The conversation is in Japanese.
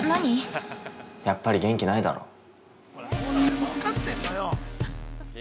やっぱり元気ないだろ？